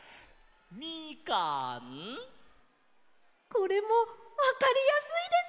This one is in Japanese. これもわかりやすいです！